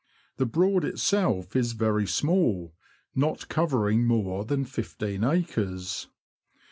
The Broad itself is very small, not covering more than fifteen acres.